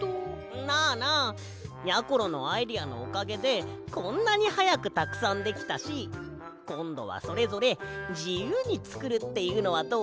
なあなあやころのアイデアのおかげでこんなにはやくたくさんできたしこんどはそれぞれじゆうにつくるっていうのはどう？